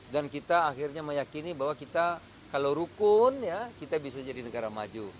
dan kita akhirnya meyakini bahwa kita kalau rukun ya kita bisa jadi negara maju